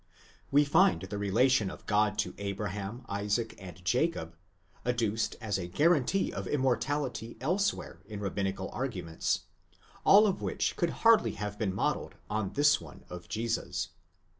We find the relation of God to Abraham, Isaac, and Jacob, adduced as a guarantee of immortality elsewhere in rabbinical argumentations, all of which could hardly have been modelled on this one of Jesus.